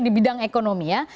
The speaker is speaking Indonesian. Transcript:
di bidang ekonomi ya